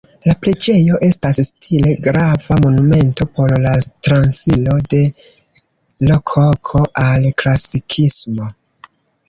La preĝejo estas stile grava monumento por la transiro de Rokoko al Klasikismo.